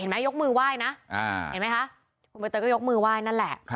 เห็นไหมคะคุณใบเตยก็ยกมือว่ายนั่นแหละ